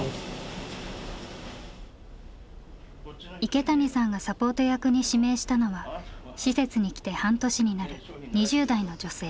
池谷さんがサポート役に指名したのは施設に来て半年になる２０代の女性。